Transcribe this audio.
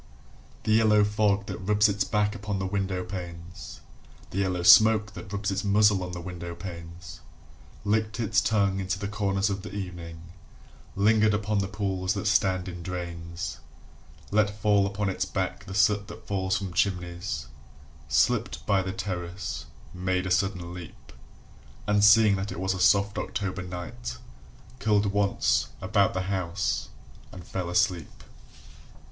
The yellow fog that rubs its back upon the window panes The yellow smoke that rubs its muzzle on the window panes Licked its tongue into the corners of the evening Lingered upon the pools that stand in drains, Let fall upon its back the soot that falls from chimneys, Slipped by the terrace, made a sudden leap, And seeing that it was a soft October night, Curled once about the house, and fell asleep.